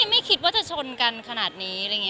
ไม่คิดว่าจะชนกันขนาดนี้